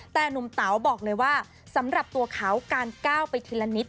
แต่หนุ่มเต๋าบอกเลยว่าสำหรับตัวเขาการก้าวไปทีละนิด